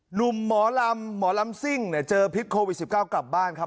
หมอลำหมอลำซิ่งเจอพิษโควิด๑๙กลับบ้านครับ